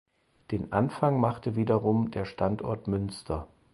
Den Anfang machte wiederum der Standort Münster.